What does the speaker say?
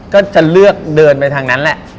ก็จะเลือกเดินไปทางนั้นแหละ